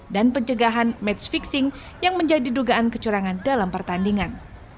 dan pencegahan match fixing yang menjadi dugaan kecurangan dalam pertandingan